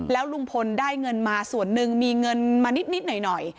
แล้วลุงพลได้เงินมาส่วนหนึ่งมีเงินมานิดหน่อย